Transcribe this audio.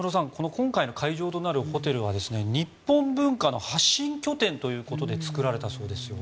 今回の会場となるホテルは日本文化の発信拠点ということで作られたそうですよ。